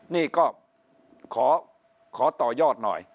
นี่ก็ขอต่อยอดหน่อย